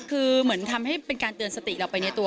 คือเหมือนทำให้เป็นการเตือนสติเราไปในตัว